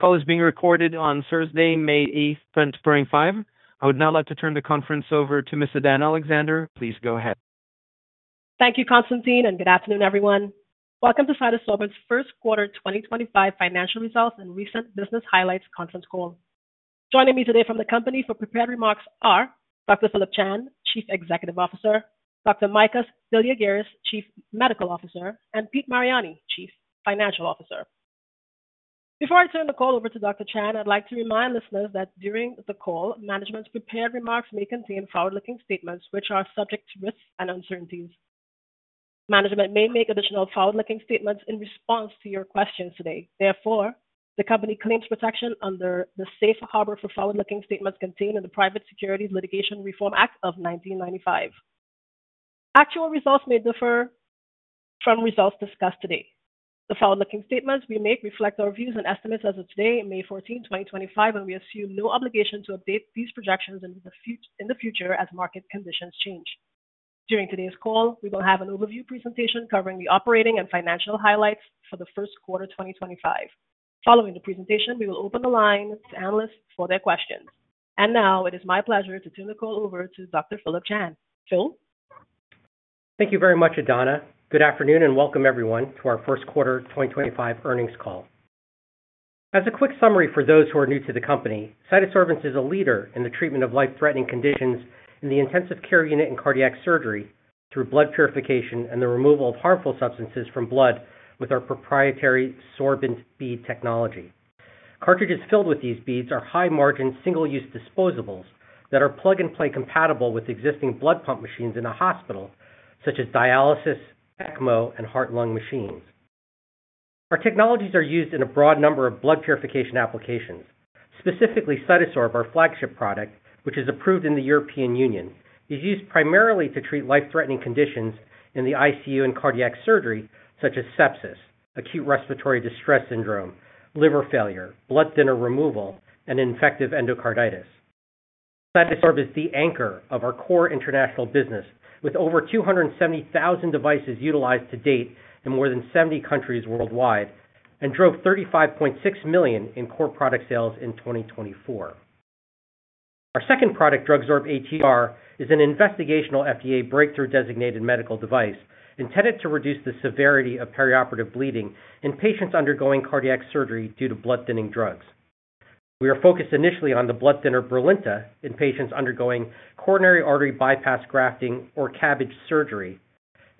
Call is being recorded on Thursday, May 8th, 2025. I would now like to turn the conference over to Ms. Adanna Alexander. Please go ahead. Thank you, Constantine, and good afternoon, everyone. Welcome to CytoSorbents' First Quarter 2025 Financial Results and Recent Business Highlights Conference Call. Joining me today from the company for prepared remarks are Dr. Phillip Chan, Chief Executive Officer; Dr. Efthymios Deliargyris, Chief Medical Officer; and Pete Mariani, Chief Financial Officer. Before I turn the call over to Dr. Chan, I'd like to remind listeners that during the call, management's prepared remarks may contain forward-looking statements which are subject to risks and uncertainties. Management may make additional forward-looking statements in response to your questions today. Therefore, the company claims protection under the Safe Harbor for Forward-Looking Statements contained in the Private Securities Litigation Reform Act of 1995. Actual results may differ from results discussed today. The forward-looking statements we make reflect our views and estimates as of today, May 14, 2025, and we assume no obligation to update these projections in the future as market conditions change. During today's call, we will have an overview presentation covering the operating and financial highlights for the first quarter 2025. Following the presentation, we will open the line to analysts for their questions. It is my pleasure to turn the call over to Dr. Phillip Chan. Phil. Thank you very much, Adanna. Good afternoon, and welcome everyone to our First Quarter 2025 Earnings Call. As a quick summary for those who are new to the company, CytoSorbents is a leader in the treatment of life-threatening conditions in the intensive care unit and cardiac surgery through blood purification and the removal of harmful substances from blood with our proprietary sorbent bead technology. Cartridges filled with these beads are high-margin, single-use disposables that are plug-and-play compatible with existing blood pump machines in a hospital, such as dialysis, ECMO, and heart-lung machines. Our technologies are used in a broad number of blood purification applications. Specifically, CytoSorb, our flagship product, which is approved in the European Union, is used primarily to treat life-threatening conditions in the ICU and cardiac surgery, such as sepsis, acute respiratory distress syndrome, liver failure, blood thinner removal, and infective endocarditis. CytoSorb is the anchor of our core international business, with over 270,000 devices utilized to date in more than 70 countries worldwide and drove $35.6 million in core product sales in 2024. Our second product, DrugSorb ATR, is an investigational FDA breakthrough designated medical device intended to reduce the severity of perioperative bleeding in patients undergoing cardiac surgery due to blood-thinning drugs. We are focused initially on the blood thinner Brilinta in patients undergoing coronary artery bypass grafting or CABG surgery.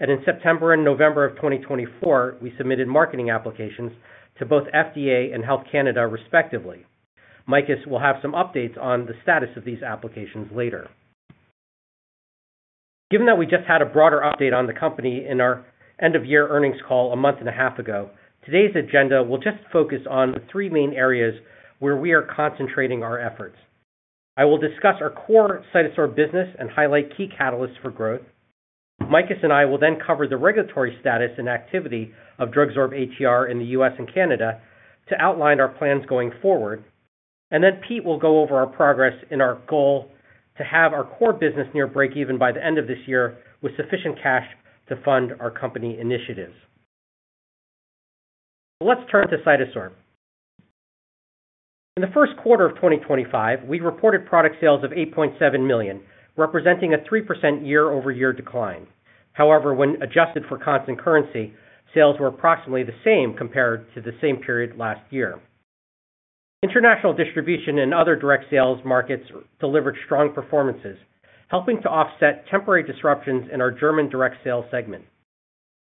In September and November of 2024, we submitted marketing applications to both the FDA and Health Canada, respectively. Mikas will have some updates on the status of these applications later. Given that we just had a broader update on the company in our end-of-year earnings call a month and a half ago, today's agenda will just focus on the three main areas where we are concentrating our efforts. I will discuss our core CytoSorb business and highlight key catalysts for growth. Mikas and I will then cover the regulatory status and activity of DrugSorb ATR in the U.S. and Canada to outline our plans going forward. Pete will go over our progress in our goal to have our core business near break-even by the end of this year with sufficient cash to fund our company initiatives. Let's turn to CytoSorb. In the first quarter of 2025, we reported product sales of $8.7 million, representing a 3% year-over-year decline. However, when adjusted for constant currency, sales were approximately the same compared to the same period last year. International distribution and other direct sales markets delivered strong performances, helping to offset temporary disruptions in our German direct sales segment.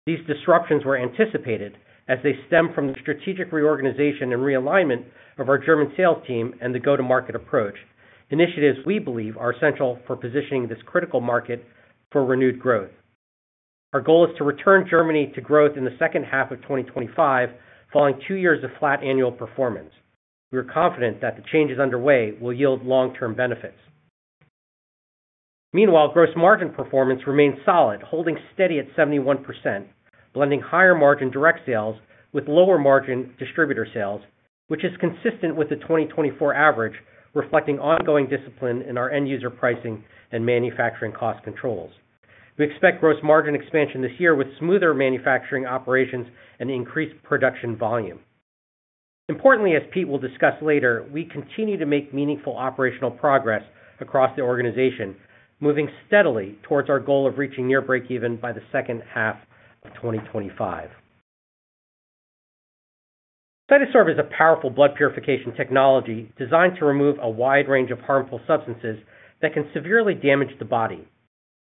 These disruptions were anticipated as they stem from the strategic reorganization and realignment of our German sales team and the go-to-market approach, initiatives we believe are essential for positioning this critical market for renewed growth. Our goal is to return Germany to growth in the second half of 2025, following two years of flat annual performance. We are confident that the changes underway will yield long-term benefits. Meanwhile, gross margin performance remains solid, holding steady at 71%, blending higher margin direct sales with lower margin distributor sales, which is consistent with the 2024 average, reflecting ongoing discipline in our end-user pricing and manufacturing cost controls. We expect gross margin expansion this year with smoother manufacturing operations and increased production volume. Importantly, as Pete will discuss later, we continue to make meaningful operational progress across the organization, moving steadily towards our goal of reaching near break-even by the second half of 2025. CytoSorb is a powerful blood purification technology designed to remove a wide range of harmful substances that can severely damage the body.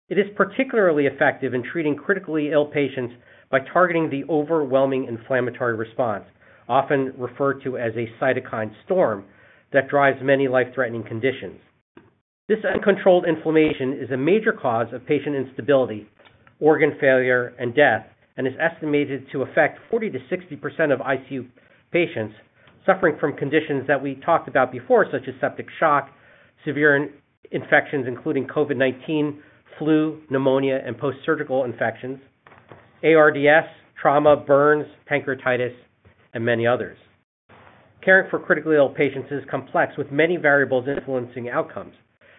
It is particularly effective in treating critically ill patients by targeting the overwhelming inflammatory response, often referred to as a cytokine storm, that drives many life-threatening conditions. This uncontrolled inflammation is a major cause of patient instability, organ failure, and death, and is estimated to affect 40%-60% of ICU patients suffering from conditions that we talked about before, such as septic shock, severe infections including COVID-19, flu, pneumonia, and post-surgical infections, ARDS, trauma, burns, pancreatitis, and many others. Caring for critically ill patients is complex, with many variables influencing outcomes.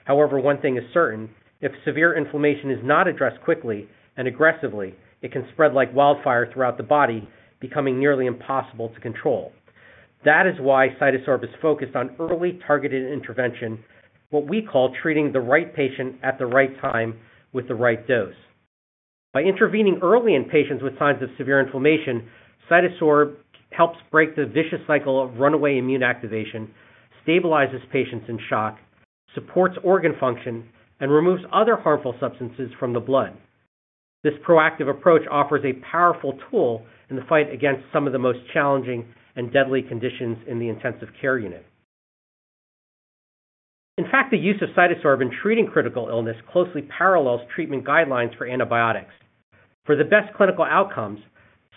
However, one thing is certain: if severe inflammation is not addressed quickly and aggressively, it can spread like wildfire throughout the body, becoming nearly impossible to control. That is why CytoSorb is focused on early, targeted intervention, what we call treating the right patient at the right time with the right dose. By intervening early in patients with signs of severe inflammation, CytoSorb helps break the vicious cycle of runaway immune activation, stabilizes patients in shock, supports organ function, and removes other harmful substances from the blood. This proactive approach offers a powerful tool in the fight against some of the most challenging and deadly conditions in the intensive care unit. In fact, the use of CytoSorb in treating critical illness closely parallels treatment guidelines for antibiotics. For the best clinical outcomes,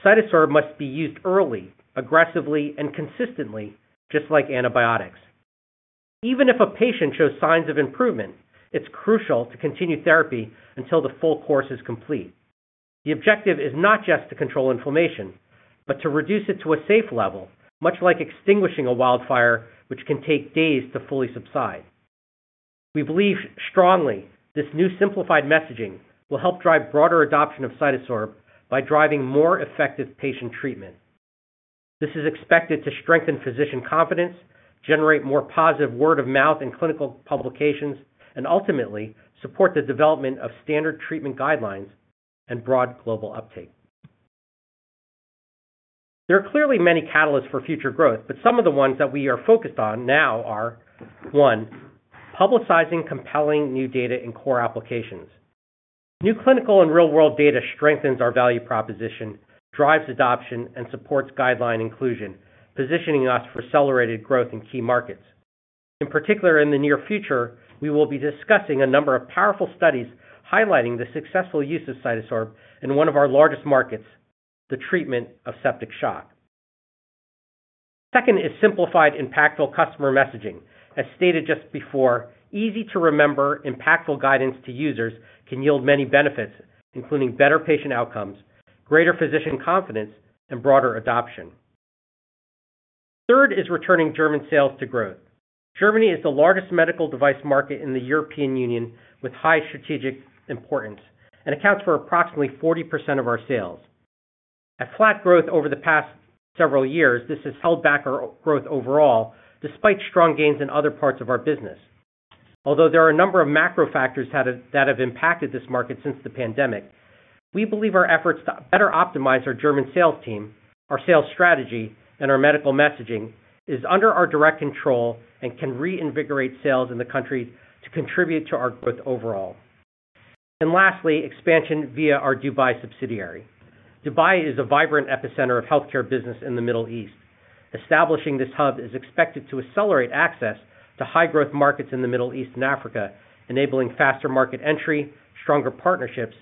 CytoSorb must be used early, aggressively, and consistently, just like antibiotics. Even if a patient shows signs of improvement, it's crucial to continue therapy until the full course is complete. The objective is not just to control inflammation, but to reduce it to a safe level, much like extinguishing a wildfire which can take days to fully subside. We believe strongly this new simplified messaging will help drive broader adoption of CytoSorb by driving more effective patient treatment. This is expected to strengthen physician confidence, generate more positive word-of-mouth in clinical publications, and ultimately support the development of standard treatment guidelines and broad global uptake. There are clearly many catalysts for future growth, but some of the ones that we are focused on now are: one, publicizing compelling new data in core applications. New clinical and real-world data strengthens our value proposition, drives adoption, and supports guideline inclusion, positioning us for accelerated growth in key markets. In particular, in the near future, we will be discussing a number of powerful studies highlighting the successful use of CytoSorb in one of our largest markets, the treatment of septic shock. Second is simplified, impactful customer messaging. As stated just before, easy-to-remember, impactful guidance to users can yield many benefits, including better patient outcomes, greater physician confidence, and broader adoption. Third is returning German sales to growth. Germany is the largest medical device market in the European Union with high strategic importance and accounts for approximately 40% of our sales. At flat growth over the past several years, this has held back our growth overall, despite strong gains in other parts of our business. Although there are a number of macro factors that have impacted this market since the pandemic, we believe our efforts to better optimize our German sales team, our sales strategy, and our medical messaging are under our direct control and can reinvigorate sales in the country to contribute to our growth overall. Lastly, expansion via our Dubai subsidiary. Dubai is a vibrant epicenter of healthcare business in the Middle East. Establishing this hub is expected to accelerate access to high-growth markets in the Middle East and Africa, enabling faster market entry, stronger partnerships,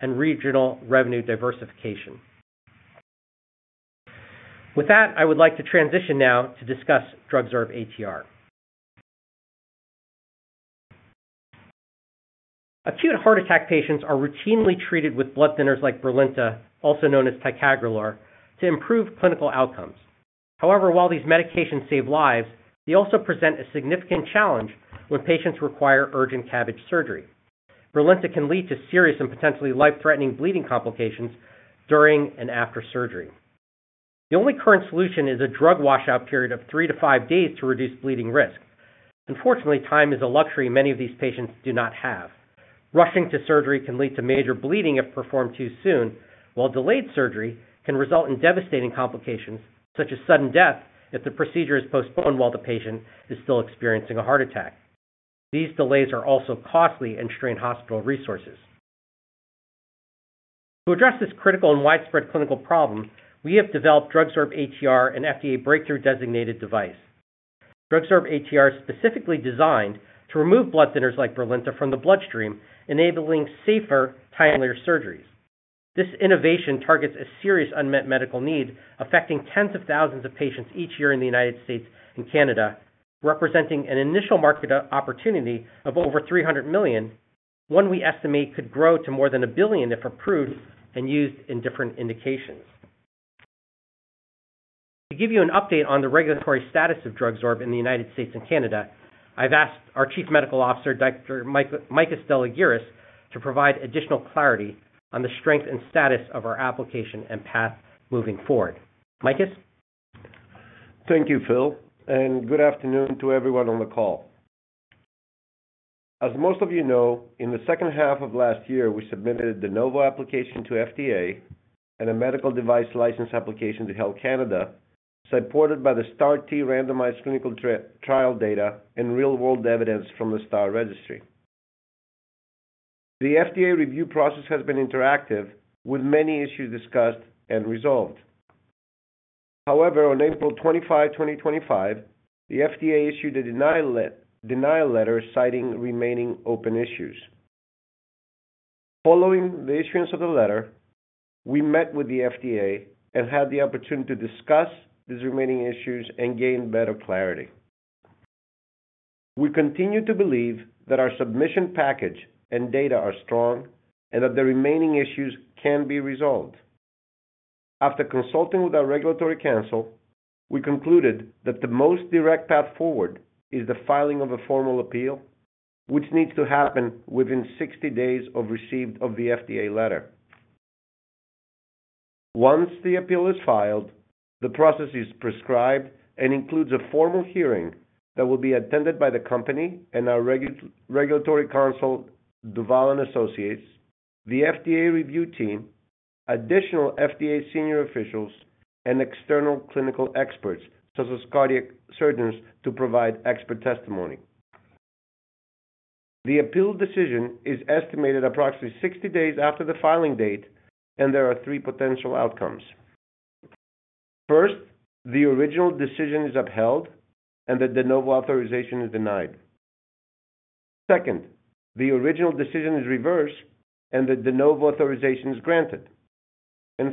and regional revenue diversification. With that, I would like to transition now to discuss DrugSorb ATR. Acute heart attack patients are routinely treated with blood thinners like Brilinta, also known as ticagrelor, to improve clinical outcomes. However, while these medications save lives, they also present a significant challenge when patients require urgent CABG surgery. Brilinta can lead to serious and potentially life-threatening bleeding complications during and after surgery. The only current solution is a drug washout period of three to five days to reduce bleeding risk. Unfortunately, time is a luxury many of these patients do not have. Rushing to surgery can lead to major bleeding if performed too soon, while delayed surgery can result in devastating complications such as sudden death if the procedure is postponed while the patient is still experiencing a heart attack. These delays are also costly and strain hospital resources. To address this critical and widespread clinical problem, we have developed DrugSorb ATR, an FDA breakthrough designated device. DrugSorb ATR is specifically designed to remove blood thinners like Brilinta from the bloodstream, enabling safer, timelier surgeries. This innovation targets a serious unmet medical need affecting tens of thousands of patients each year in the United States and Canada, representing an initial market opportunity of over $300 million, one we estimate could grow to more than $1 billion if approved and used in different indications. To give you an update on the regulatory status of DrugSorb ATR in the United States and Canada, I've asked our Chief Medical Officer, Dr. Efthymios Deliargyris, to provide additional clarity on the strength and status of our application and path moving forward. Mikas? Thank you, Phil. Good afternoon to everyone on the call. As most of you know, in the second half of last year, we submitted the de novo application to the FDA and a medical device license application to Health Canada, supported by the STAR-T randomized clinical trial data and real-world evidence from the STAR registry. The FDA review process has been interactive, with many issues discussed and resolved. However, on April 25, 2025, the FDA issued a denial letter citing remaining open issues. Following the issuance of the letter, we met with the FDA and had the opportunity to discuss these remaining issues and gain better clarity. We continue to believe that our submission package and data are strong and that the remaining issues can be resolved. After consulting with our regulatory counsel, we concluded that the most direct path forward is the filing of a formal appeal, which needs to happen within 60 days of receipt of the FDA letter. Once the appeal is filed, the process is prescribed and includes a formal hearing that will be attended by the company and our regulatory counsel, Duval & Associates, the FDA review team, additional FDA senior officials, and external clinical experts such as cardiac surgeons to provide expert testimony. The appeal decision is estimated approximately 60 days after the filing date, and there are three potential outcomes. First, the original decision is upheld and the de novo authorization is denied. Second, the original decision is reversed and the de novo authorization is granted.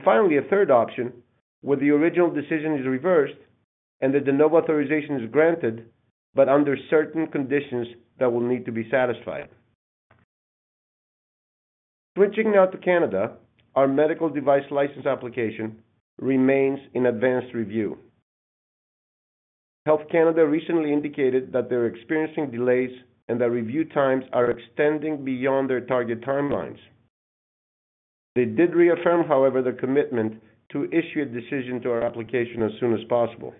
Finally, a third option where the original decision is reversed and the de novo authorization is granted, but under certain conditions that will need to be satisfied. Switching now to Canada, our medical device license application remains in advanced review. Health Canada recently indicated that they're experiencing delays and that review times are extending beyond their target timelines. They did reaffirm, however, their commitment to issue a decision to our application as soon as possible.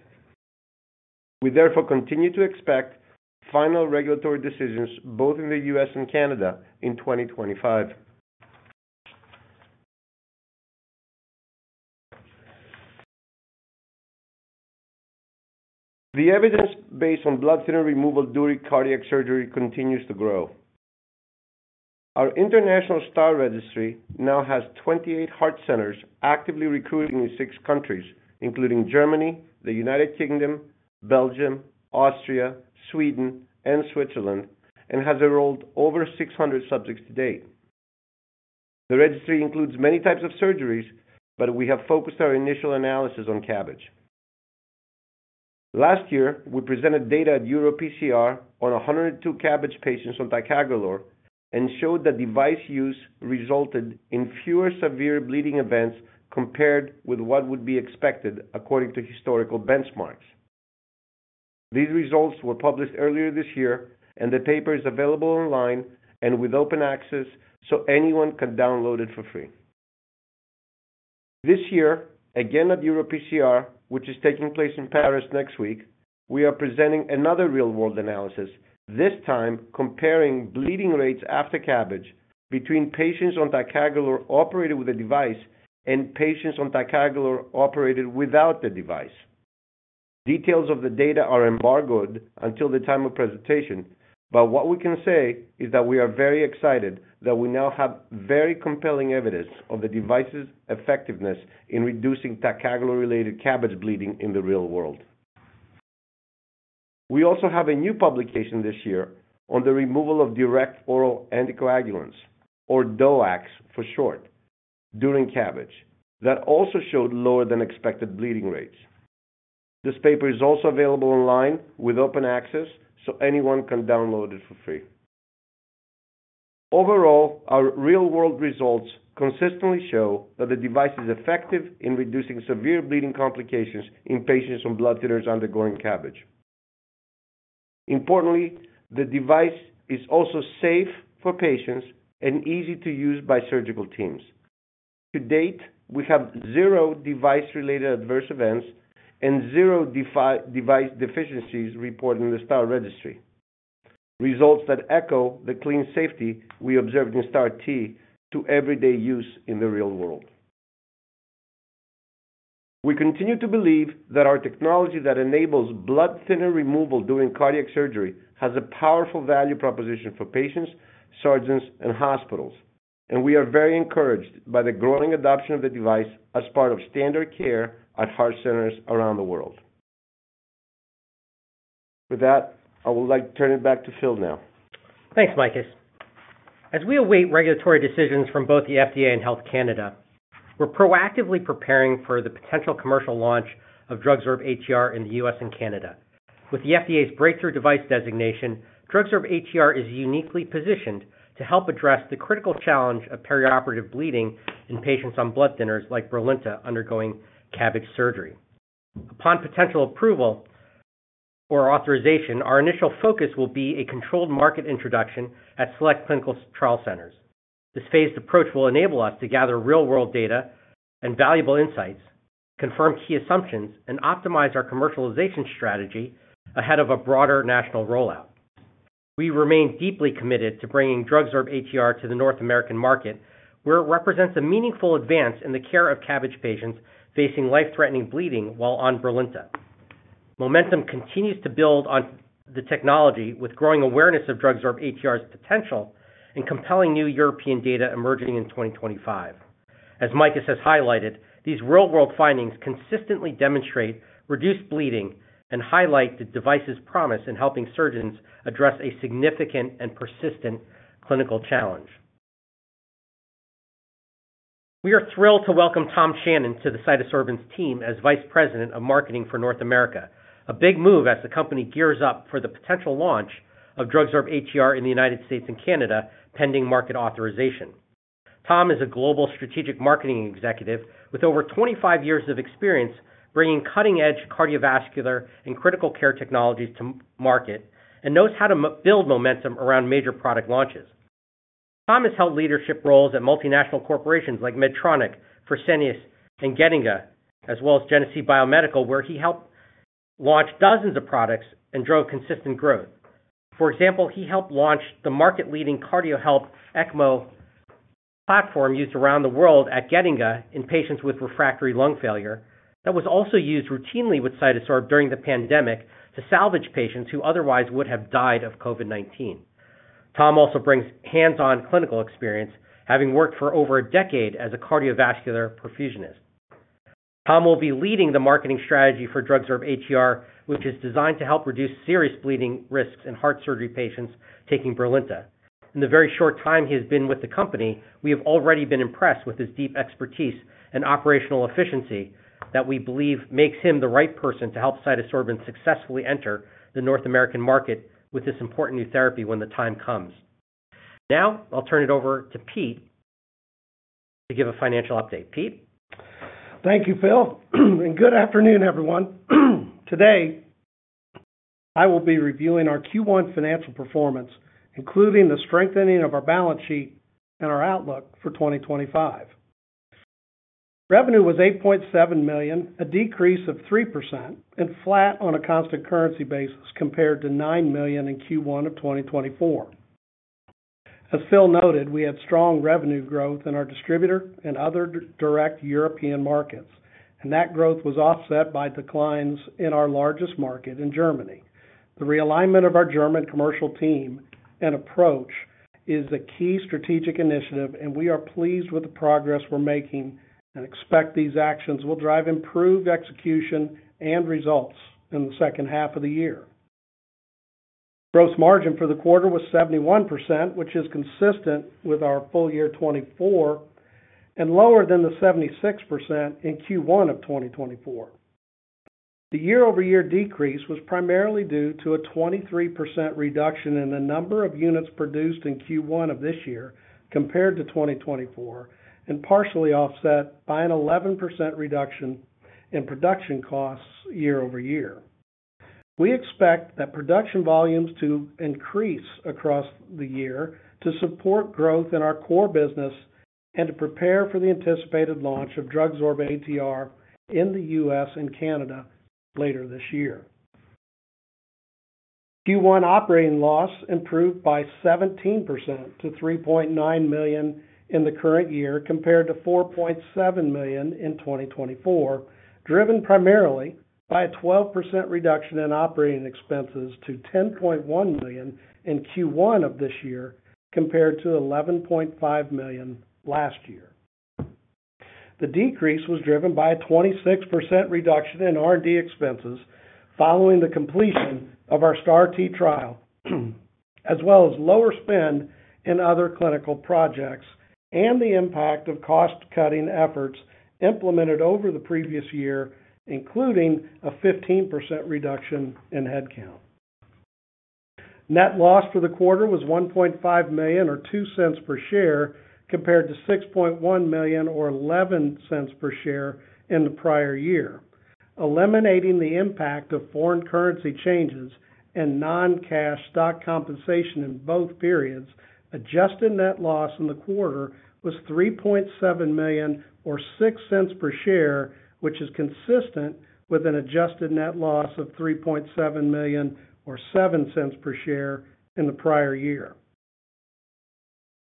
We therefore continue to expect final regulatory decisions both in the U.S. and Canada in 2025. The evidence based on blood thinner removal during cardiac surgery continues to grow. Our international STAR Registry now has 28 heart centers actively recruiting in six countries, including Germany, the United Kingdom, Belgium, Austria, Sweden, and Switzerland, and has enrolled over 600 subjects to date. The registry includes many types of surgeries, but we have focused our initial analysis on CABG. Last year, we presented data at EuroPCR on 102 CABG patients on Ticagrelor and showed that device use resulted in fewer severe bleeding events compared with what would be expected according to historical benchmarks. These results were published earlier this year, and the paper is available online and with open access, so anyone can download it for free. This year, again at EuroPCR, which is taking place in Paris next week, we are presenting another real-world analysis, this time comparing bleeding rates after CABG between patients on Ticagrelor operated with a device and patients on Ticagrelor operated without the device. Details of the data are embargoed until the time of presentation, but what we can say is that we are very excited that we now have very compelling evidence of the device's effectiveness in reducing ticagrelor-related CABG bleeding in the real world. We also have a new publication this year on the removal of direct oral anticoagulants, or DOACs for short, during CABG, that also showed lower-than-expected bleeding rates. This paper is also available online with open access, so anyone can download it for free. Overall, our real-world results consistently show that the device is effective in reducing severe bleeding complications in patients on blood thinners undergoing CABG. Importantly, the device is also safe for patients and easy to use by surgical teams. To date, we have zero device-related adverse events and zero device deficiencies reported in the STAR Registry, results that echo the clean safety we observed in STAR-T to everyday use in the real world. We continue to believe that our technology that enables blood thinner removal during cardiac surgery has a powerful value proposition for patients, surgeons, and hospitals, and we are very encouraged by the growing adoption of the device as part of standard care at heart centers around the world. With that, I would like to turn it back to Phil now. Thanks, Mikas. As we await regulatory decisions from both the FDA and Health Canada, we're proactively preparing for the potential commercial launch of DrugSorb ATR in the U.S. and Canada. With the FDA's breakthrough device designation, DrugSorb ATR is uniquely positioned to help address the critical challenge of perioperative bleeding in patients on blood thinners like Brilinta undergoing CABG surgery. Upon potential approval or authorization, our initial focus will be a controlled market introduction at select clinical trial centers. This phased approach will enable us to gather real-world data and valuable insights, confirm key assumptions, and optimize our commercialization strategy ahead of a broader national rollout. We remain deeply committed to bringing DrugSorb ATR to the North American market, where it represents a meaningful advance in the care of CABG patients facing life-threatening bleeding while on Brilinta. Momentum continues to build on the technology, with growing awareness of DrugSorb ATR's potential and compelling new European data emerging in 2025. As Mikas has highlighted, these real-world findings consistently demonstrate reduced bleeding and highlight the device's promise in helping surgeons address a significant and persistent clinical challenge. We are thrilled to welcome Tom Shannon to the CytoSorbents team as Vice President of Marketing for North America, a big move as the company gears up for the potential launch of DrugSorb ATR in the United States and Canada pending market authorization. Tom is a global strategic marketing executive with over 25 years of experience bringing cutting-edge cardiovascular and critical care technologies to market and knows how to build momentum around major product launches. Tom has held leadership roles at multinational corporations like Medtronic, Fresenius, and Getinge, as well as Genesee Biomedical, where he helped launch dozens of products and drove consistent growth. For example, he helped launch the market-leading Cardiohelp ECMO platform used around the world at Getinge in patients with refractory lung failure that was also used routinely with CytoSorb during the pandemic to salvage patients who otherwise would have died of COVID-19. Tom also brings hands-on clinical experience, having worked for over a decade as a cardiovascular perfusionist. Tom will be leading the marketing strategy for DrugSorb ATR, which is designed to help reduce serious bleeding risks in heart surgery patients taking Brilinta. In the very short time he has been with the company, we have already been impressed with his deep expertise and operational efficiency that we believe makes him the right person to help CytoSorbents successfully enter the North American market with this important new therapy when the time comes. Now, I'll turn it over to Pete to give a financial update. Pete? Thank you, Phil. Good afternoon, everyone. Today, I will be reviewing our Q1 financial performance, including the strengthening of our balance sheet and our outlook for 2025. Revenue was $8.7 million, a decrease of 3%, and flat on a constant currency basis compared to $9 million in Q1 of 2024. As Phil noted, we had strong revenue growth in our distributor and other direct European markets, and that growth was offset by declines in our largest market in Germany. The realignment of our German commercial team and approach is a key strategic initiative, and we are pleased with the progress we're making and expect these actions will drive improved execution and results in the second half of the year. Gross margin for the quarter was 71%, which is consistent with our full year 2024 and lower than the 76% in Q1 of 2024. The year-over-year decrease was primarily due to a 23% reduction in the number of units produced in Q1 of this year compared to 2023 and partially offset by an 11% reduction in production costs year-over-year. We expect that production volumes to increase across the year to support growth in our core business and to prepare for the anticipated launch of DrugSorb ATR in the U.S. and Canada later this year. Q1 operating loss improved by 17% to $3.9 million in the current year compared to $4.7 million in 2023, driven primarily by a 12% reduction in operating expenses to $10.1 million in Q1 of this year compared to $11.5 million last year. The decrease was driven by a 26% reduction in R&D expenses following the completion of our STAR-T trial, as well as lower spend in other clinical projects and the impact of cost-cutting efforts implemented over the previous year, including a 15% reduction in headcount. Net loss for the quarter was $1.5 million or $0.02 per share compared to $6.1 million or $0.11 per share in the prior year. Eliminating the impact of foreign currency changes and non-cash stock compensation in both periods, adjusted net loss in the quarter was $3.7 million or $0.06 per share, which is consistent with an adjusted net loss of $3.7 million or $0.07 per share in the prior year.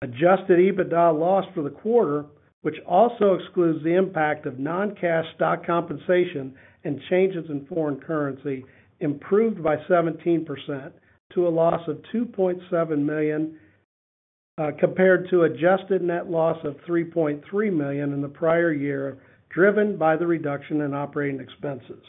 Adjusted EBITDA loss for the quarter, which also excludes the impact of non-cash stock compensation and changes in foreign currency, improved by 17% to a loss of $2.7 million compared to adjusted net loss of $3.3 million in the prior year, driven by the reduction in operating expenses.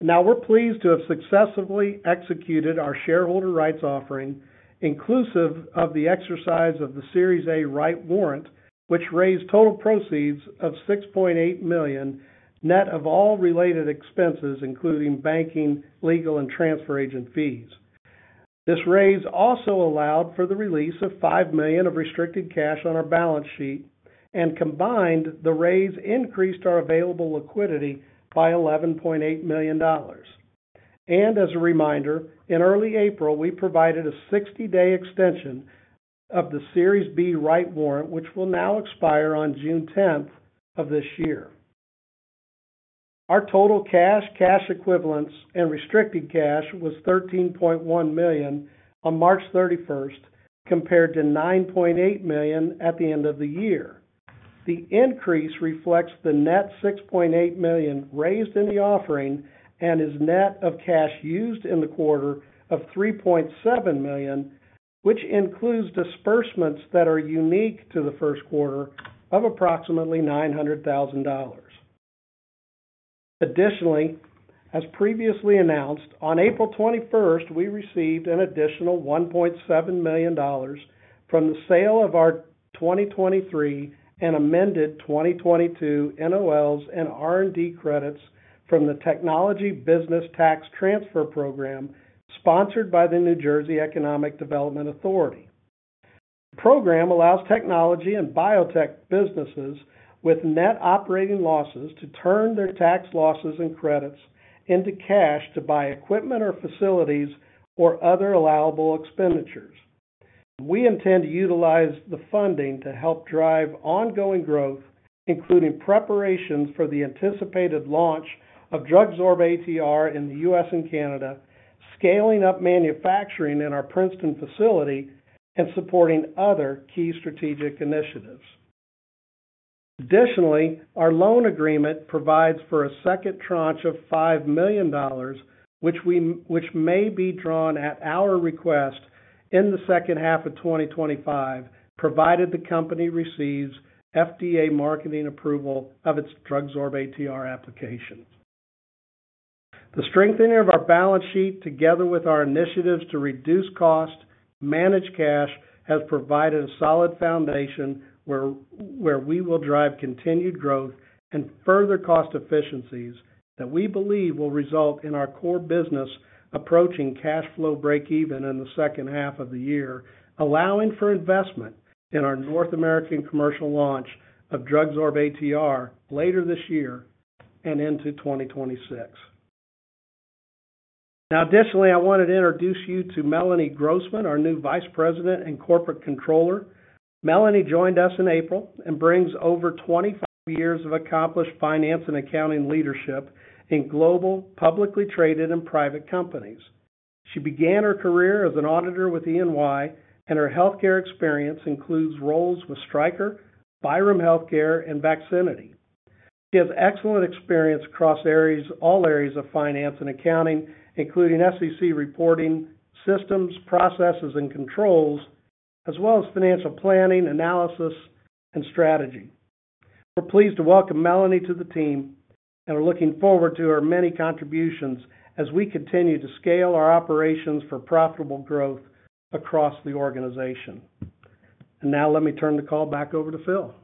We are pleased to have successfully executed our shareholder rights offering, inclusive of the exercise of the Series A right warrant, which raised total proceeds of $6.8 million net of all related expenses, including banking, legal, and transfer agent fees. This raise also allowed for the release of $5 million of restricted cash on our balance sheet, and combined, the raise increased our available liquidity by $11.8 million. As a reminder, in early April, we provided a 60-day extension of the Series B right warrant, which will now expire on June 10th of this year. Our total cash, cash equivalents, and restricted cash was $13.1 million on March 31 compared to $9.8 million at the end of the year. The increase reflects the net $6.8 million raised in the offering and is net of cash used in the quarter of $3.7 million, which includes disbursements that are unique to the first quarter of approximately $900,000. Additionally, as previously announced, on April 21, we received an additional $1.7 million from the sale of our 2023 and amended 2022 NOLs and R&D credits from the Technology Business Tax Transfer Program sponsored by the New Jersey Economic Development Authority. The program allows technology and biotech businesses with net operating losses to turn their tax losses and credits into cash to buy equipment or facilities or other allowable expenditures. We intend to utilize the funding to help drive ongoing growth, including preparations for the anticipated launch of DrugSorb ATR in the U.S. and Canada, scaling up manufacturing in our Princeton facility, and supporting other key strategic initiatives. Additionally, our loan agreement provides for a second tranche of $5 million, which may be drawn at our request in the second half of 2025, provided the company receives FDA marketing approval of its DrugSorb ATR application. The strengthening of our balance sheet, together with our initiatives to reduce cost, manage cash, has provided a solid foundation where we will drive continued growth and further cost efficiencies that we believe will result in our core business approaching cash flow break-even in the second half of the year, allowing for investment in our North American commercial launch of DrugSorb ATR later this year and into 2026. Now, additionally, I want to introduce you to Melanie Grossman, our new Vice President and Corporate Controller. Melanie joined us in April and brings over 25 years of accomplished finance and accounting leadership in global, publicly traded, and private companies. She began her career as an auditor with E&Y, and her healthcare experience includes roles with Stryker, Byron Healthcare, and Vaccinity. She has excellent experience across all areas of finance and accounting, including SEC reporting, systems, processes, and controls, as well as financial planning, analysis, and strategy. We are pleased to welcome Melanie to the team and are looking forward to her many contributions as we continue to scale our operations for profitable growth across the organization. Let me turn the call back over to Phil.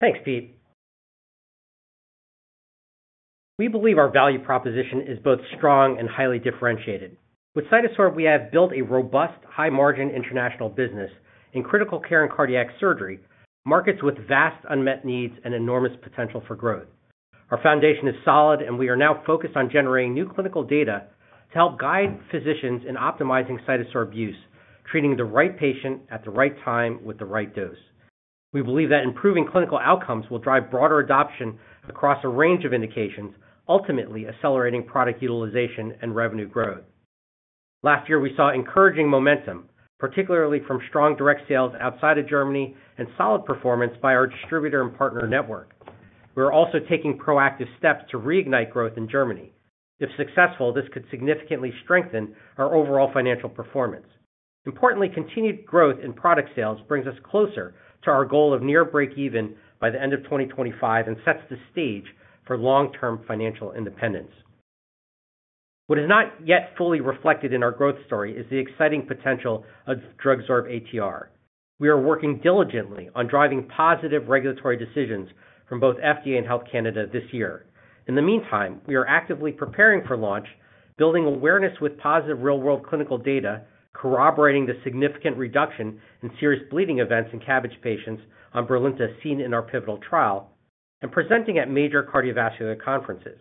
Thanks, Pete. We believe our value proposition is both strong and highly differentiated. With CytoSorb, we have built a robust, high-margin international business in critical care and cardiac surgery, markets with vast unmet needs, and enormous potential for growth. Our foundation is solid, and we are now focused on generating new clinical data to help guide physicians in optimizing CytoSorb use, treating the right patient at the right time with the right dose. We believe that improving clinical outcomes will drive broader adoption across a range of indications, ultimately accelerating product utilization and revenue growth. Last year, we saw encouraging momentum, particularly from strong direct sales outside of Germany and solid performance by our distributor and partner network. We are also taking proactive steps to reignite growth in Germany. If successful, this could significantly strengthen our overall financial performance. Importantly, continued growth in product sales brings us closer to our goal of near break-even by the end of 2025 and sets the stage for long-term financial independence. What is not yet fully reflected in our growth story is the exciting potential of DrugSorb ATR. We are working diligently on driving positive regulatory decisions from both FDA and Health Canada this year. In the meantime, we are actively preparing for launch, building awareness with positive real-world clinical data, corroborating the significant reduction in serious bleeding events in CABG patients on Brilinta seen in our pivotal trial, and presenting at major cardiovascular conferences.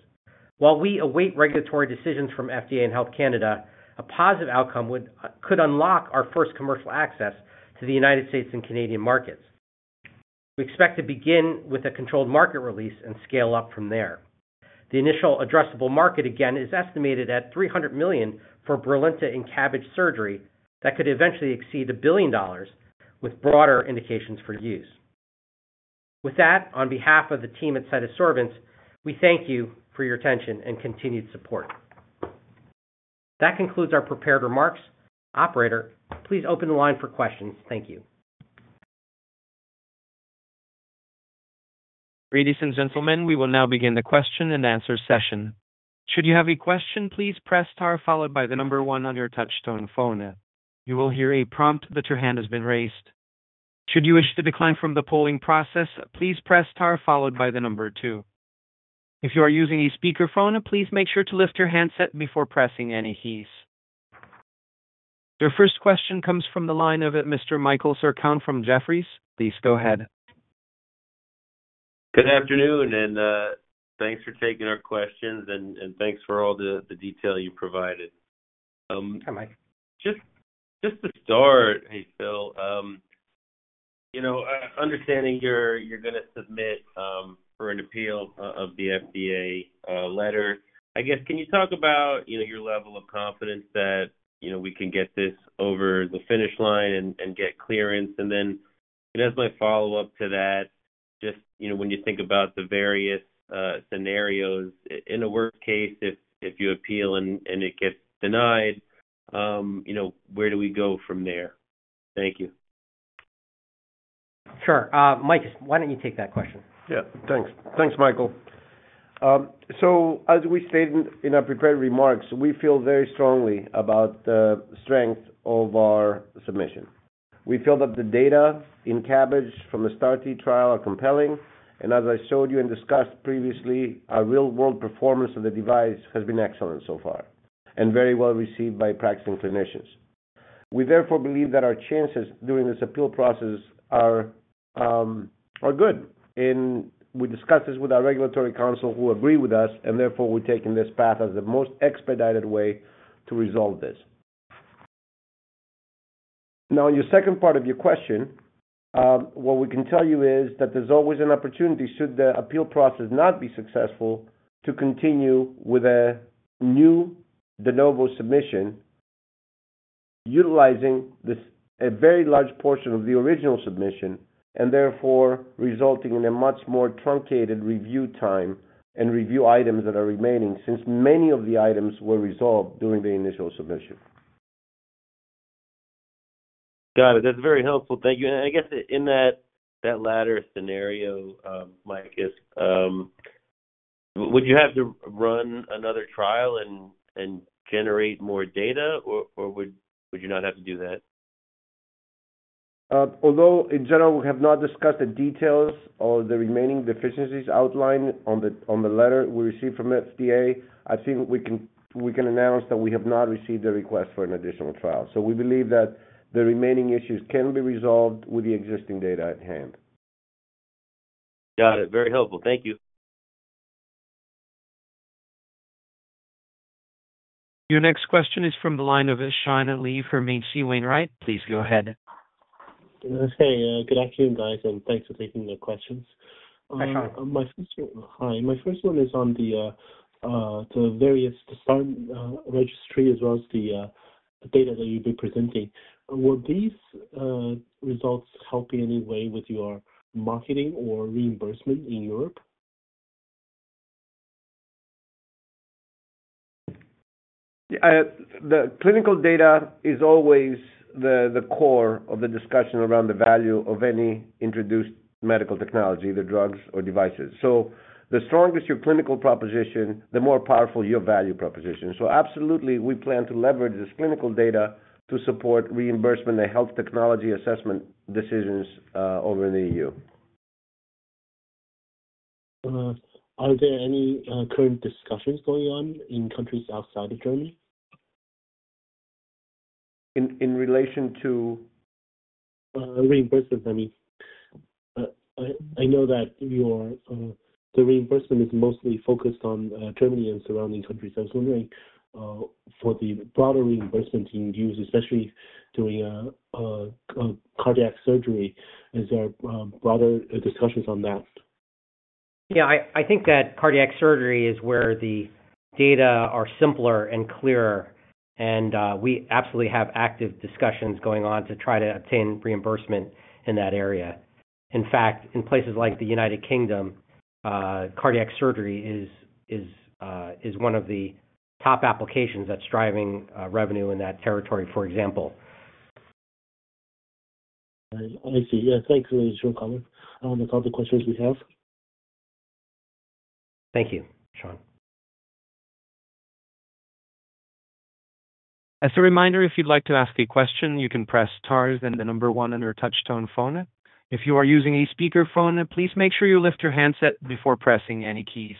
While we await regulatory decisions from FDA and Health Canada, a positive outcome could unlock our first commercial access to the United States and Canadian markets. We expect to begin with a controlled market release and scale up from there. The initial addressable market, again, is estimated at $300 million for Brilinta in CABG surgery that could eventually exceed $1 billion, with broader indications for use. With that, on behalf of the team at CytoSorbents, we thank you for your attention and continued support. That concludes our prepared remarks. Operator, please open the line for questions. Thank you. Ladies and gentlemen, we will now begin the question and answer session. Should you have a question, please press star followed by the number one on your touch-tone phone. You will hear a prompt that your hand has been raised. Should you wish to decline from the polling process, please press star followed by the number two. If you are using a speakerphone, please make sure to lift your handset before pressing any keys. Your first question comes from the line of Mr. Michael Sarcone from Jefferies. Please go ahead. Good afternoon, and thanks for taking our questions, and thanks for all the detail you provided. Hi, Mike. Just to start, hey, Phil, understanding you're going to submit for an appeal of the FDA letter, I guess, can you talk about your level of confidence that we can get this over the finish line and get clearance? As my follow-up to that, just when you think about the various scenarios, in a worst case, if you appeal and it gets denied, where do we go from there? Thank you. Sure. Mikas, why don't you take that question? Yeah. Thanks. Thanks, Michael. As we stated in our prepared remarks, we feel very strongly about the strength of our submission. We feel that the data in CABG from the STAR-T trial are compelling, and as I showed you and discussed previously, our real-world performance of the device has been excellent so far and very well received by practicing clinicians. We therefore believe that our chances during this appeal process are good, and we discussed this with our regulatory counsel who agree with us, and therefore we're taking this path as the most expedited way to resolve this. Now, in your second part of your question, what we can tell you is that there's always an opportunity, should the appeal process not be successful, to continue with a new de novo submission utilizing a very large portion of the original submission and therefore resulting in a much more truncated review time and review items that are remaining since many of the items were resolved during the initial submission. Got it. That's very helpful. Thank you. I guess in that latter scenario, Mikas, would you have to run another trial and generate more data, or would you not have to do that? Although, in general, we have not discussed the details or the remaining deficiencies outlined on the letter we received from FDA, I think we can announce that we have not received a request for an additional trial. We believe that the remaining issues can be resolved with the existing data at hand. Got it. Very helpful. Thank you. Your next question is from the line of Shawna Lee from C Wayne Ride. Please go ahead. Hey, good afternoon, guys, and thanks for taking the questions. Hi, Shawna. Hi. My first one is on the various STAR registry as well as the data that you've been presenting. Will these results help you in any way with your marketing or reimbursement in Europe? The clinical data is always the core of the discussion around the value of any introduced medical technology, either drugs or devices. The stronger your clinical proposition, the more powerful your value proposition. Absolutely, we plan to leverage this clinical data to support reimbursement and health technology assessment decisions over in the E.U.. Are there any current discussions going on in countries outside of Germany? In relation to? Reimbursement, I mean. I know that the reimbursement is mostly focused on Germany and surrounding countries. I was wondering for the broader reimbursement to be used, especially during cardiac surgery. Is there broader discussions on that? Yeah. I think that cardiac surgery is where the data are simpler and clearer, and we absolutely have active discussions going on to try to obtain reimbursement in that area. In fact, in places like the U.K., cardiac surgery is one of the top applications that's driving revenue in that territory, for example. I see. Yeah. Thanks, Mr. Chan. Those are all the questions we have. Thank you, Shawna. As a reminder, if you'd like to ask a question, you can press star and the number one on your touch-tone phone. If you are using a speakerphone, please make sure you lift your handset before pressing any keys.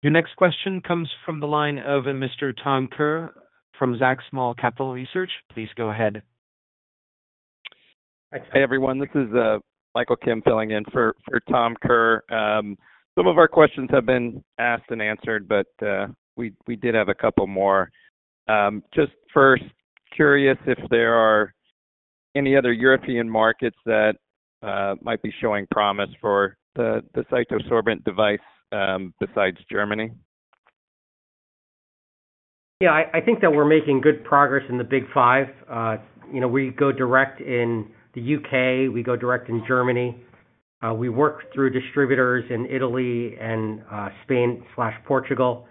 Your next question comes from the line of Mr. Tom Kerr from Zacks Small Cap Research. Please go ahead. Hi, everyone. This is Michael Kim filling in for Tom Kerr. Some of our questions have been asked and answered, but we did have a couple more. Just first, curious if there are any other European markets that might be showing promise for the CytoSorbents device besides Germany? Yeah. I think that we're making good progress in the Big Five. We go direct in the U.K.. We go direct in Germany. We work through distributors in Italy and Spain/Portugal.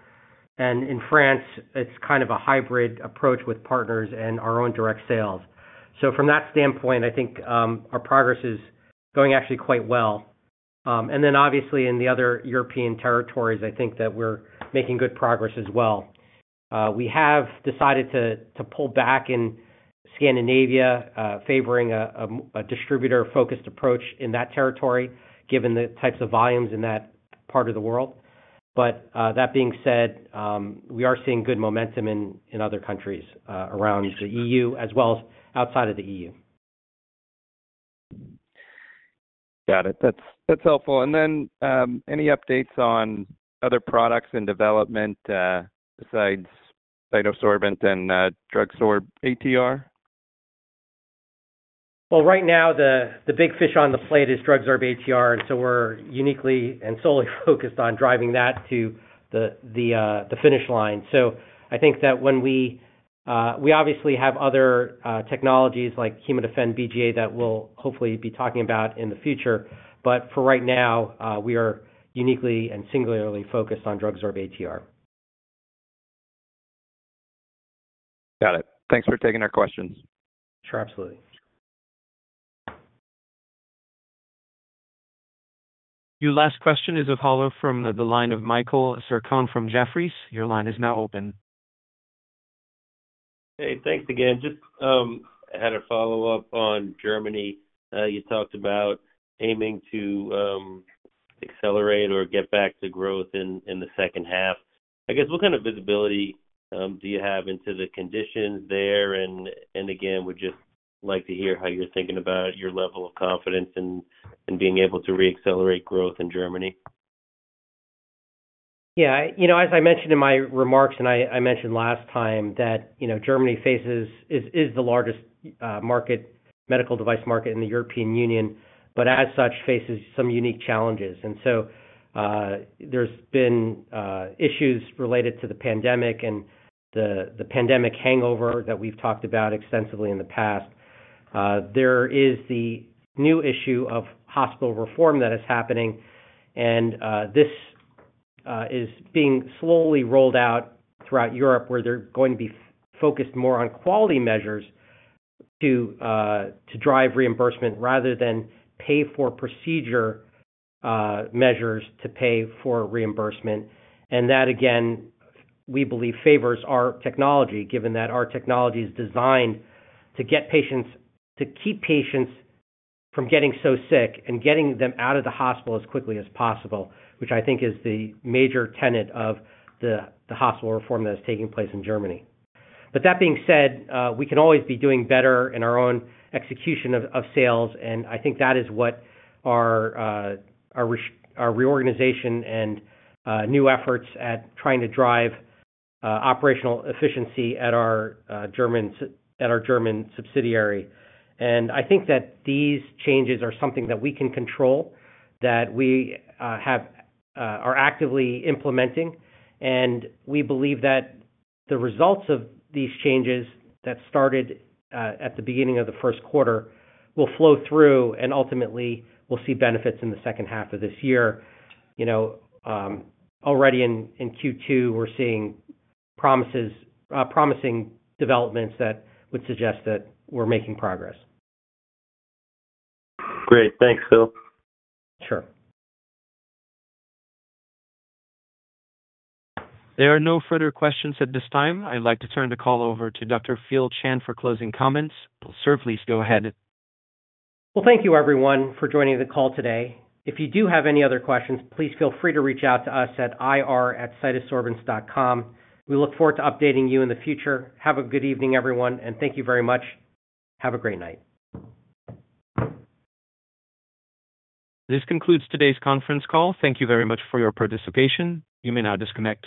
In France, it's kind of a hybrid approach with partners and our own direct sales. From that standpoint, I think our progress is going actually quite well. Obviously, in the other European territories, I think that we're making good progress as well. We have decided to pull back in Scandinavia, favoring a distributor-focused approach in that territory, given the types of volumes in that part of the world. That being said, we are seeing good momentum in other countries around the E.U. as well as outside of the E.U.. Got it. That's helpful. Any updates on other products in development besides CytoSorb and DrugSorb ATR? Right now, the big fish on the plate is DrugSorb ATR, and we are uniquely and solely focused on driving that to the finish line. I think that we obviously have other technologies like Chemidefend BGA that we will hopefully be talking about in the future, but for right now, we are uniquely and singularly focused on DrugSorb ATR. Got it. Thanks for taking our questions. Sure. Absolutely. Your last question is from the line of Michael Sarcone from Jefferies. Your line is now open. Hey, thanks again. Just had a follow-up on Germany. You talked about aiming to accelerate or get back to growth in the second half. I guess, what kind of visibility do you have into the conditions there? We'd just like to hear how you're thinking about your level of confidence in being able to reaccelerate growth in Germany. Yeah. As I mentioned in my remarks, and I mentioned last time that Germany is the largest medical device market in the European Union, but as such, faces some unique challenges. There have been issues related to the pandemic and the pandemic hangover that we've talked about extensively in the past. There is the new issue of hospital reform that is happening, and this is being slowly rolled out throughout Europe, where they're going to be focused more on quality measures to drive reimbursement rather than pay-for-procedure measures to pay for reimbursement. That, again, we believe favors our technology, given that our technology is designed to keep patients from getting so sick and getting them out of the hospital as quickly as possible, which I think is the major tenet of the hospital reform that is taking place in Germany. That being said, we can always be doing better in our own execution of sales, and I think that is what our reorganization and new efforts at trying to drive operational efficiency at our German subsidiary. I think that these changes are something that we can control, that we are actively implementing, and we believe that the results of these changes that started at the beginning of the first quarter will flow through and ultimately we'll see benefits in the second half of this year. Already in Q2, we're seeing promising developments that would suggest that we're making progress. Great. Thanks, Phil. Sure. There are no further questions at this time. I'd like to turn the call over to Dr. Phillip Chan for closing comments. Sir, please go ahead. Thank you, everyone, for joining the call today. If you do have any other questions, please feel free to reach out to us at ir@cytosorbents.com. We look forward to updating you in the future. Have a good evening, everyone, and thank you very much. Have a great night. This concludes today's conference call. Thank you very much for your participation. You may now disconnect.